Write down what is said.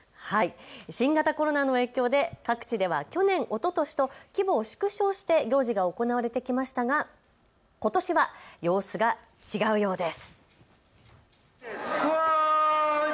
新型コロナの影響で各地では去年、おととしと規模を縮小して行事が行われてきましたがことしは様子が違うようです。